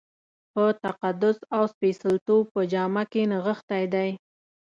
په تقدس او سپېڅلتوب په جامه کې نغښتی دی.